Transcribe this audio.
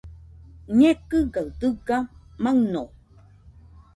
Ñekɨgaɨ dɨga maɨno